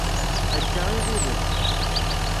Akka i ɣilen.